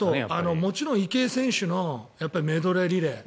もちろん池江選手のメドレーリレー。